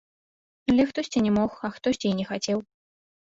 Але хтосьці не мог, а хтосьці і не хацеў.